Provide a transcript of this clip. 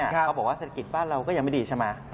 เขาบอกว่าเศรษฐกิจบ้านเราก็ยังไม่ดีใช่ไหม